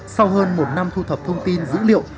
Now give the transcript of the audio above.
sau hơn một năm thu thập thông tin dữ liệu